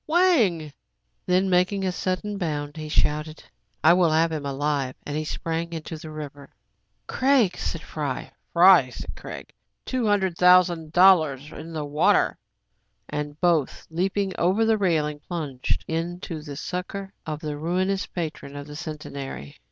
Wang!" " Then making a sudden bound, he shouted, — "I will have him alive I " and he sprang into the river. 14S TRIBULATIONS OF A CHINAMAN, "Craig/' said Fry. '" Fry," said Craig. "Two hundred thousand dollars in the water!" And both, leaping over the railing, plunged in to the succor of the ruinous patron of the Centenary.